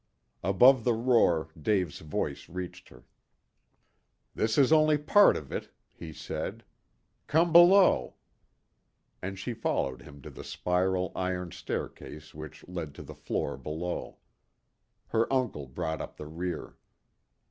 Above the roar Dave's voice reached her. "This is only part of it," he said; "come below." And she followed him to the spiral iron staircase which led to the floor below. Her uncle brought up the rear.